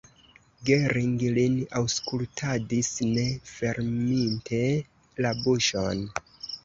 Gering lin aŭskultadis ne ferminte la buŝon.